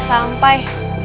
kita sudah sampai